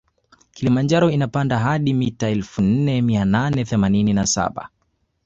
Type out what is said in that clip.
Kilimanjaro inapanda hadi mita elfu nne mia nane themanini na saba